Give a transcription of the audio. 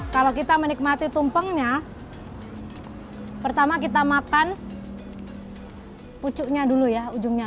kalau kita menikmati tumpengnya pertama kita makan pucuknya dulu ya ujungnya